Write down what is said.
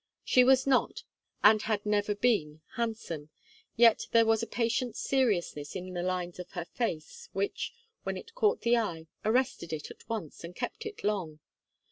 She was not, and had never been handsome, yet there was a patient seriousness in the lines of her face, which, when it caught the eye, arrested it at once, and kept it long.